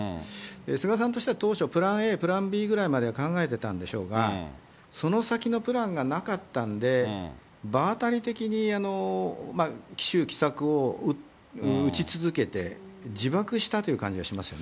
菅さんとしては、当初プランＡ、プランＢぐらいまでは考えてたんでしょうが、その先のプランがなかったんで、場当たり的に奇襲奇策を打ち続けて、自爆したという感じがします